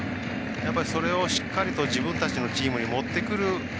それをしっかりと自分たちのチームに持ってくる。